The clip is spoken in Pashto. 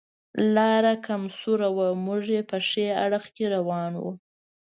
لاره کم سوره وه، موږ یې په ښي اړخ کې روان و.